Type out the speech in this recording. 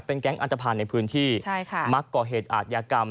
แก๊งอันตภัณฑ์ในพื้นที่ใช่ค่ะมักก่อเหตุอาทยากรรม